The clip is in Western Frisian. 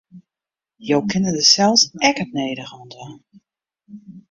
Jo kinne dêr sels ek it nedige oan dwaan.